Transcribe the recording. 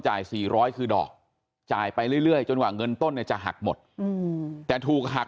๔๐๐คือดอกจ่ายไปเรื่อยจนกว่าเงินต้นเนี่ยจะหักหมดแต่ถูกหัก